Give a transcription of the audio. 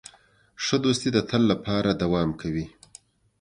ښه دوستي د تل لپاره دوام کوي.